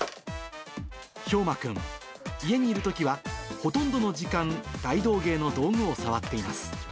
兵真君、家にいるときはほとんどの時間、大道芸の道具を触っています。